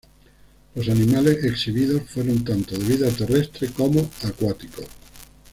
Los animales exhibidos fueron tanto de vida terrestre como acuáticos.